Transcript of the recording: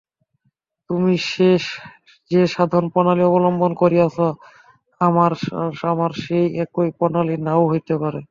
তুমি যে সাধন-প্রণালী অবলম্বন করিয়াছ, আমার সেই একই প্রণালী নাও হইতে পারে।